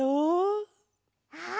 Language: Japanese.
ああ！